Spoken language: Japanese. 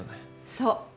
そう。